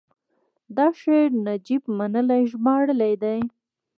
دا شعر نجیب منلي ژباړلی دی: